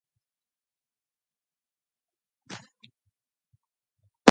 Opelousas teams played minor league home games at Elementary School Park.